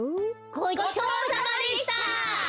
ごちそうさまでした！